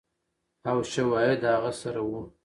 او شواهد د هغه سره ؤ